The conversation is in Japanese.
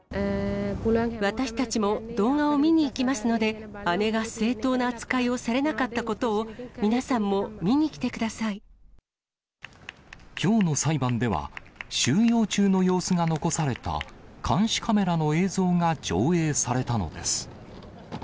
私たちも動画を見に行きますので、姉が正当な扱いをされなかったことを、皆さんも見に来てくきょうの裁判では、収容中の様子が残された監視カメラの映像が上映されたのです。